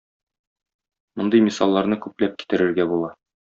Мондый мисалларны күпләп китерергә була.